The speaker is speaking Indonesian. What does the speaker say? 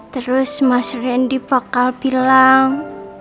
terus mas randy bakal bilang